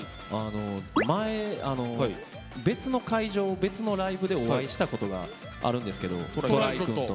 前別の会場別のライブでお会いしたことがあるんですけどトライくんと。